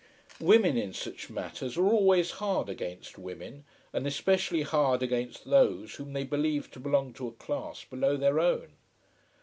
Women in such matters are always hard against women, and especially hard against those whom they believe to belong to a class below their own.